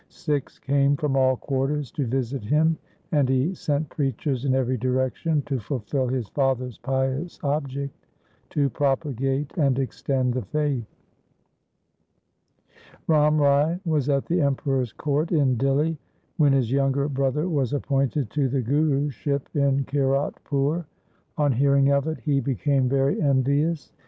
Sikhs came from all quarters to visit him, and he sent preachers in every direction to fulfil his father's pious object to propagate and extend the faith. Ram Rai was at the Emperor's court in Dihli when his younger brother was appointed to the Guruship in Kiratpur. On hearing of it be became very envious.